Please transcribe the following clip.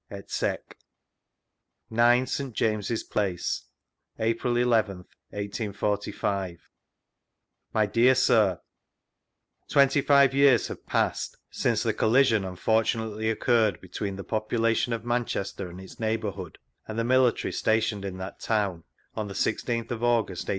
9, St. James's Place, April nth, 1845 Mv Dear Sir, Twenty five years have passed since the colliskin unfortunately occurred between the population of Manchester and its neighbourhood and the military stationed in that town, on the sixteenth of August, 1819.